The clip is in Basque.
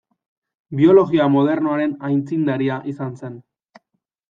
Biologia modernoaren aitzindaria izan zen.